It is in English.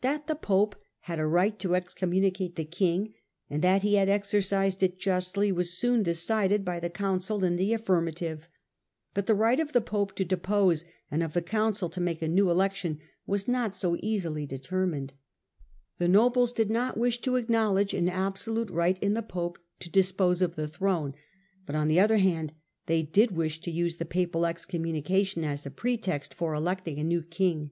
That the pope had a right to excommunicate the king, and that he had exercised it justly, was soon decided by the council in the Digitized by VjOOQIC 124 HlLDEBRAND aflirmative. Bufc the right of the pope to depoHe, and of the council to make a new election, was not so easily determined. The nobles did not wish to acknowledge an absolute right in the pope to dispose of the throne ; but, on the other hand, they did wish to use the papal excommunication as a pretext for electing a new king.